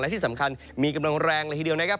และที่สำคัญมีกำลังแรงเลยทีเดียวนะครับ